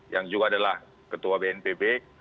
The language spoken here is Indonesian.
yang juga adalah ketua bnpb